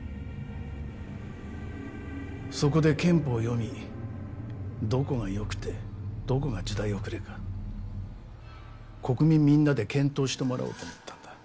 そこで憲法を読みどこが良くてどこが時代遅れか国民みんなで検討してもらおうと思ったんだ。